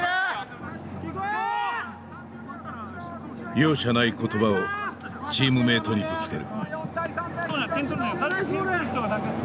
容赦ない言葉をチームメートにぶつける。